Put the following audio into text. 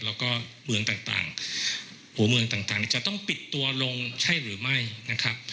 แล้วก็เมืองต่างหัวเมืองต่างจะต้องปิดตัวลงใช่หรือไม่นะครับ